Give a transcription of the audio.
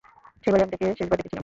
সেবারই আমি তাকে শেষবার দেখেছিলাম।